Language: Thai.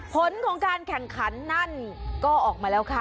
ผลของการแข่งขันนั่นก็ออกมาแล้วค่ะ